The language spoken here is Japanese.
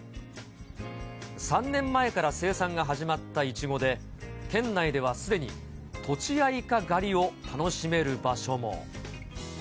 ３年前から生産が始まったイチゴで、県内ではすでに、とちあいか狩りを楽しめる場所も。